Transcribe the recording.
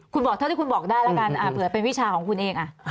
คุณบอกเท่าที่คุณบอกได้แล้วกันเผื่อเป็นวิชาของคุณเอง